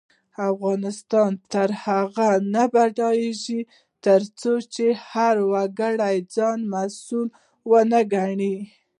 افغانستان تر هغو نه ابادیږي، ترڅو هر وګړی ځان مسؤل ونه ګڼي.